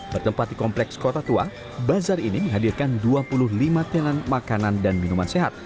bertempat di kompleks kota tua bazar ini menghadirkan dua puluh lima tenan makanan dan minuman sehat